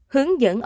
hướng dẫn ông bảy